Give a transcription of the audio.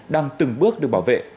đang từng bước được bảo vệ